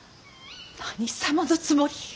何様のつもり。